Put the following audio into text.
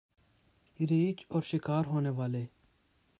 ریچھ اور شکار ہونے والے